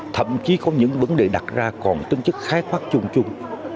thậm chí có những vấn đề đặt ra còn tương chức khai khoác chung chung